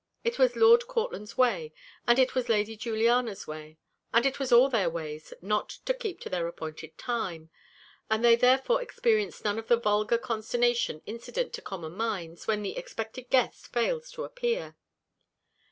It was Lord Courtland's way, and it was Lady Juliana's way, and it was all their ways, not to keep to their appointed time, and they therefore experienced none of the vulgar consternation incident to common minds when the expected guest fails to appear.